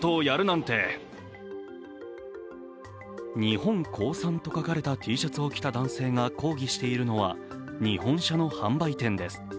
日本降参と書かれたＴシャツを着た男性が抗議しているのは日本車の販売店です。